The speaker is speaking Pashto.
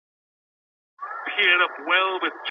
تر طلاق وروسته ناوړه عواقب په وجود راځي.